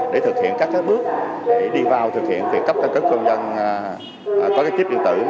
để thực hiện các bước để đi vào thực hiện việc cấp căn cước công dân có cái chip điện tử